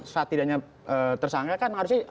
setidaknya tersangka kan harusnya